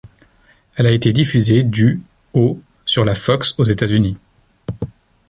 Elle a été diffusée du au sur la Fox, aux États-Unis.